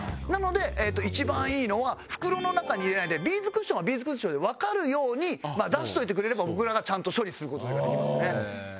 なので一番いいのは袋の中に入れないでビーズクッションはビーズクッションでわかるように出しといてくれれば僕らがちゃんと処理する事ができますね。